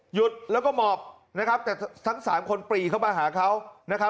หยุดแล้วก็หมอบแต่ทั้ง๓คนปรีเข้ามาหาเขา